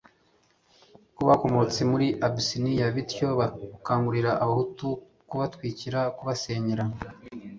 ko bakomotse muri Abisiniya, bityo bakangurira Abahutu kubatwikira, kubasenyera